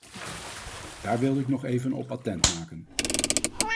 Daar wilde ik nog even op attent maken.